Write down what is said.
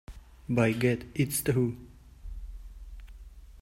By Gad, it's true!